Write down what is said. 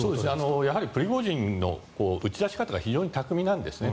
プリゴジンの打ち出し方が非常に巧みなんですね。